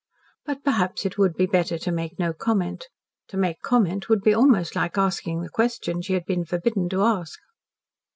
But perhaps it would be better to make no comment. To make comment would be almost like asking the question she had been forbidden to ask.